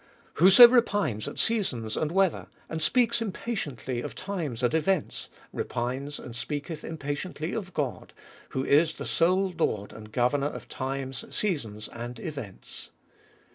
Whoso repines at seasons and weather, and speaks impatiently of times and events, repines and speaketh impatiently of God, who is the sole Lord and Governor of times, seasons, and events.